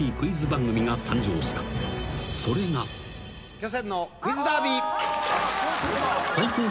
「巨泉の『クイズダービー』」